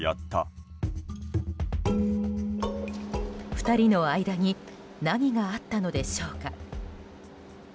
２人の間に何があったのでしょうか。